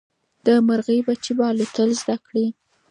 د مرغۍ بچي به الوتل زده کړي.